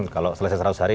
kalau selesai seratus hari